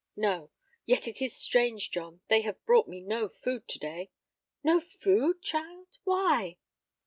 "No. Yet it is strange, John, they have brought me no food to day." "No food, child! Why?"